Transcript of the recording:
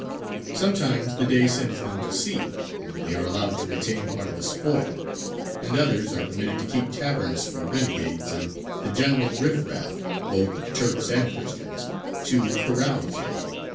Sometimes the Dey sends them to sea, when they are allowed to retain part of the spoil; and others are permitted to keep taverns for renegades and the general riff raff, both of Turks and Christians, to carouze in.